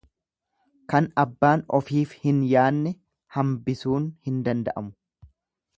Kan abbaan ofiif hin yaanne hambisuun hin danda'amu.